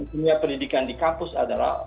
dunia pendidikan di kampus adalah